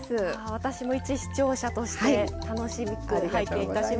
私もいち視聴者として楽しく拝見いたします。